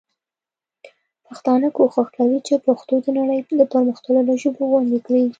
پښتانه کوښښ کوي چي پښتو د نړۍ د پر مختللو ژبو غوندي کړي.